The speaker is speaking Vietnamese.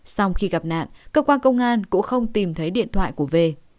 sau khi gặp nạn cơ quan công an cũng không tìm thấy điện thoại của v